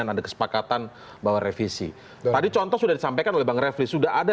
untuk percepatan mata iluni